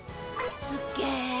すっげえ。